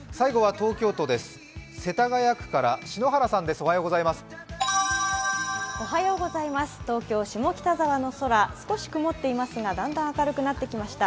東京・下北沢の空少し曇っていますが、だんだん明るくなってきました。